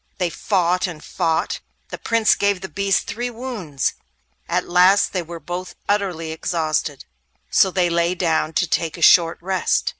They fought and fought; the Prince gave the beast three wounds. At last they were both utterly exhausted, so they lay down to take a short rest.